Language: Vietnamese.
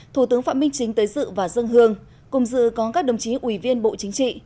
thủ tướng phạm minh chính tới dự và dân hương cùng dự có các đồng chí ủy viên bộ chính trị